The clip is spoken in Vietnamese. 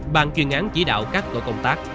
bàn chuyên án chỉ đạo các tội công tác